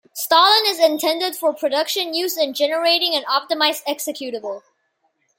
Stalin is intended for production use in generating an optimized executable.